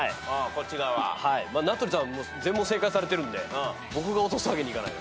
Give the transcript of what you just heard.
名取さん全問正解されてるんで僕が落とすわけにいかない。